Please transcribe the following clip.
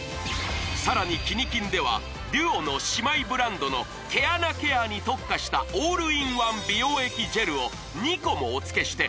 さらに「キニ金」ではＤＵＯの姉妹ブランドの毛穴ケアに特化したオールインワン美容液ジェルを２個もおつけして